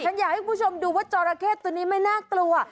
อยากให้คุณผู้ชมดูว่าจอราเข้ตัวนี้ไม่น่ากลัว